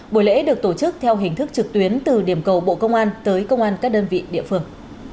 buổi lễ được tổ chức theo hình thức trực tuyến từ điểm cầu bộ công an tới công an các đơn vị địa phương